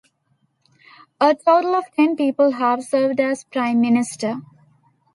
A total of ten people have served as Prime Minister.